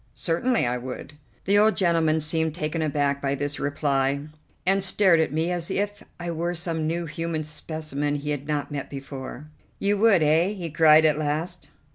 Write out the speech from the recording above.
"Certainly I would." The old gentleman seemed taken aback by this reply, and stared at me as if I were some new human specimen he had not met before. "You would, eh?" he cried at last.